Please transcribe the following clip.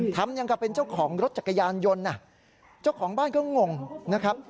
ทำอย่างกับเป็นเจ้าของรถจักรยานยนต์เจ้าของบ้านก็งงนะครับ